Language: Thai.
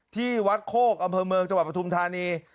ที่วัดโคกอำเภอเมืองจังหวัดปฐุมธานี